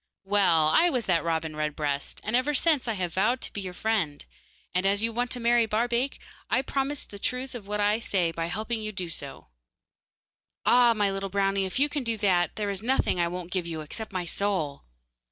'Well, I was that robin redbreast, and ever since I have vowed to be your friend, and as you want to marry Barbaik, I will prove the truth of what I say by helping you to do so.' 'Ah! my little brownie, if you can do that, there is nothing I won't give you, except my soul.